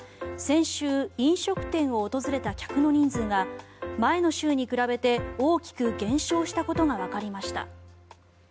先週、飲食店を訪れた客の人数が前の週に比べて大きく減少したことがわかりました。